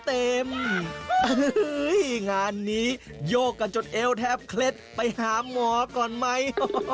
งานนี้โยกกันจนเอวแทบเคล็ดไปหาหมอก่อนไหม